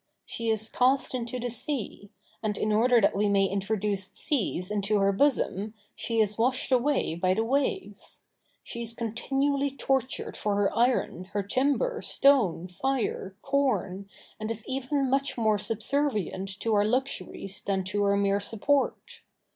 She is cast into the sea, and, in order that we may introduce seas into her bosom, she is washed away by the waves. She is continually tortured for her iron, her timber, stone, fire, corn, and is even much more subservient to our luxuries than to our mere support.